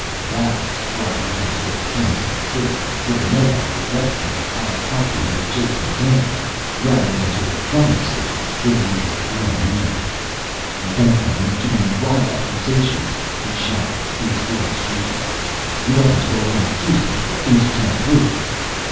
That's why you had to go to Chemisant City, where nobody would recognize Ab Karpin or Jafe McCann, rather than to Atronics City where you were well known." "You don't want to make too many wild accusations," he shouted, his voice shaking. "You don't want to go around accusing people of things you can't prove."